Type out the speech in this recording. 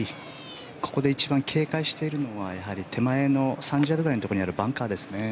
ここで一番警戒しているのはやはり手前の３０ヤードぐらいのところにあるバンカーですね。